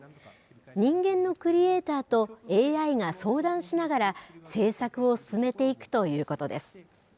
人間のクリエーターとＡＩが相談しながら、制作を進めていくということです。